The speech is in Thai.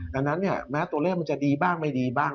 ดังนั้นเนี่ยแม้ตัวเลขมันจะดีบ้างไม่ดีบ้าง